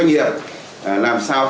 nông nghiệp tập trung